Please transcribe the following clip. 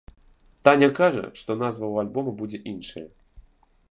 Таня кажа, што назва ў альбома будзе іншая.